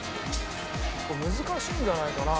難しいんじゃないかな？